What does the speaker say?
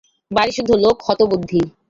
বাড়িসুদ্ধ লোক হতবুদ্ধি।